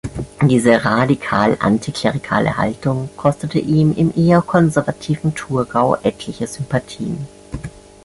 Diese radikal antiklerikale Haltung kostete ihm im eher konservativen Thurgau etliche Sympathien.